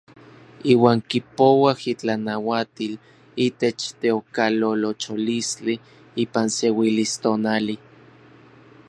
Iuan kipouaj itlanauatil itech teokalolocholistli ipan seuilistonali.